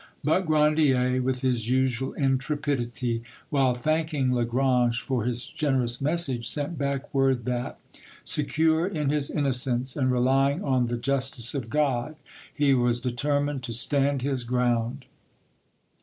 But Grandier with his usual intrepidity, while thanking Lagrange for his generous message, sent back word that, secure in his innocence and relying on the justice of God, he was determined to stand his ground.